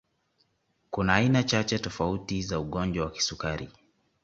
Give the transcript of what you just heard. Kuna aina chache tofauti za ugonjwa wa kisukari